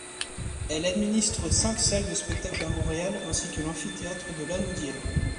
Elle administre cinq salles de spectacles à Montréal ainsi que l’Amphithéâtre de Lanaudière.